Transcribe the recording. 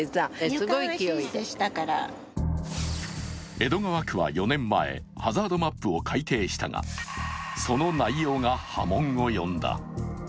江戸川区は４年前、ハザードマップを改定したがその内容が波紋を呼んだ。